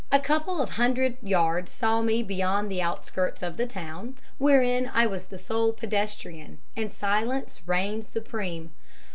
"A couple of hundred yards saw me beyond the outskirts of the town, wherein I was the sole pedestrian, and silence reigned supreme.